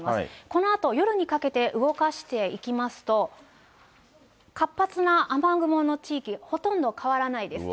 このあと夜にかけて動かしていきますと、活発な雨雲の地域、ほとんど変わらないです。